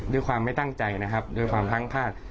ด้วยความไม่ตั้งใจนะครับด้วยความพลั้งพลาด